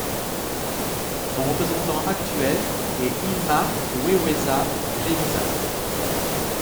Son représentant actuel est Ylma Weyesa Gebisa.